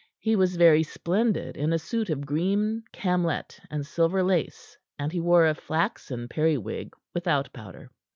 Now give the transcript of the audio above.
He was very splendid in a suit of green camlett and silver lace, and he wore a flaxen periwig without powder.